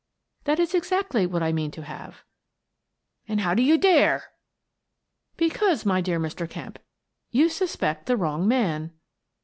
That is exactly what I mean to have." " And how do you dare? "" Because, my dear Mr. Kemp, you suspect the wrong man."